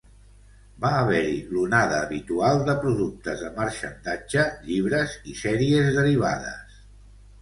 Va haver-hi l'onada habitual de productes de marxandatge, llibres i sèries derivades.